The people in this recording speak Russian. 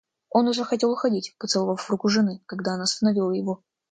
Он уже хотел уходить, поцеловав руку жены, когда она остановила его.